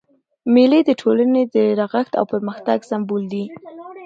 مېلې د ټولني د رغښت او پرمختګ سمبول دي.